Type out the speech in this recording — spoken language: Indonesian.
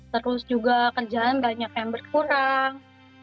terus juga kerjaan banyak yang berkurang